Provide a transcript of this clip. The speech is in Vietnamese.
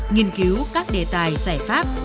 nghiên cứu các đề tài giải pháp